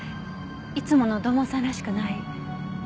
いつもの土門さんらしくない。